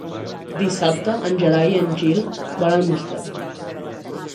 Dissabte en Gerai i en Gil van a Almoster.